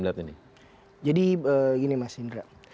jadi gini mas indra